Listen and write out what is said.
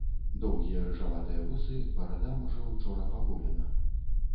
Доўгія рыжаватыя вусы, барада, можа, учора паголена.